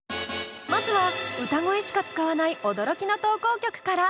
まずは歌声しか使わない驚きの投稿曲から。